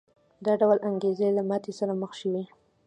دا ډول انګېزې له ماتې سره مخ شوې.